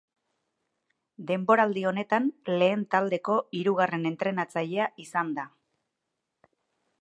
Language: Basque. Denboraldi honetan lehen taldeko hirugarren entrenatzailea izan da.